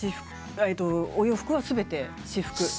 お洋服はすべて私服？